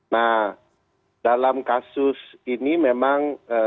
nah dalam kasus ini memang